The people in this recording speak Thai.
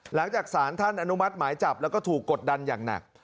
หลังจากสารท่านอนุมัติหมายจับแล้วก็ถูกกดดันอย่างหนัก